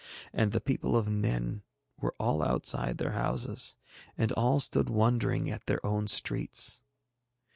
And the people of Nen were all outside their houses, and all stood wondering at their own streets.